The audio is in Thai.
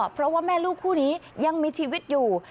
เพราะว่าแม่ลูกคู่นี้ยังมีชีวิตอยู่